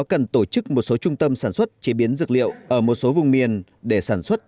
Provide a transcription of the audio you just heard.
trong đó chúng chú ý khâu sản xuất chế biến sử dụng kế hoạch ghi học